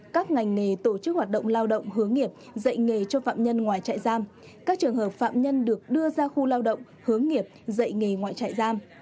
các ngành nghề tổ chức hoạt động lao động hướng nghiệp dạy nghề cho phạm nhân ngoài trại giam các trường hợp phạm nhân được đưa ra khu lao động hướng nghiệp dạy nghề ngoại chạy giam